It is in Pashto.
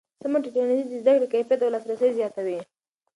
سمه ټکنالوژي د زده کړې کیفیت او لاسرسی زیاتوي.